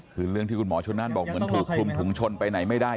คือเรื่องที่คุณหมอชนนั่นบอกเหมือนถูกคลุมถุงชนไปไหนไม่ได้